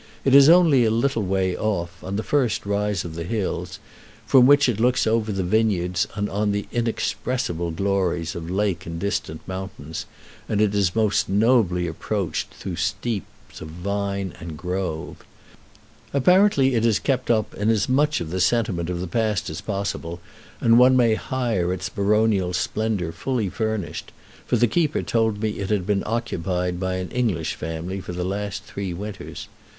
It is only a little way off, on the first rise of the hills, from which it looks over the vineyards on inexpressible glories of lake and distant mountains, and it is most nobly approached through steeps of vine and grove. Apparently it is kept up in as much of the sentiment of the past as possible, and one may hire its baronial splendor fully furnished; for the keeper told it had been occupied by an English family for the last three winters.